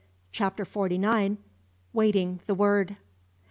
CHAPTER FORTY NINE. WAITING THE WORD.